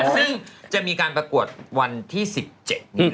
ซึ่งจะมีการปรากวดวันที่๑๗นี้แล้วนะครับ